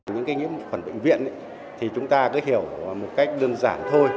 những khuẩn bệnh viện thì chúng ta cứ hiểu một cách đơn giản thôi